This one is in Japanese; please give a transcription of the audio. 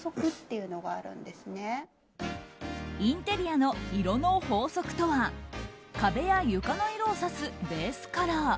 インテリアの色の法則とは壁や床の色を指すベースカラー。